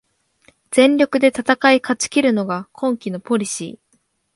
全力で戦い勝ちきるのが今季のポリシー